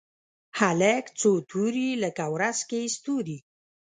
هلک څو توري لکه ورځ کې ستوري